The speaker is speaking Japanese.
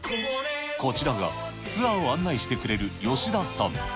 こちらが、ツアーを案内してくれる吉田さん。